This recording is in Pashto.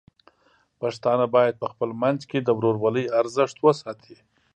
پښتانه بايد په خپل منځ کې د ورورولۍ ارزښت وساتي.